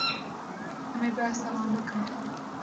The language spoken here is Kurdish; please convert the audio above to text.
Em ê behsa wan bikin